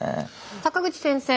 坂口先生